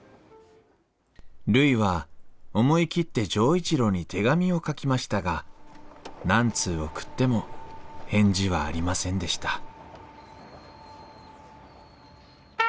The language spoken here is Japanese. るいは思い切って錠一郎に手紙を書きましたが何通送っても返事はありませんでした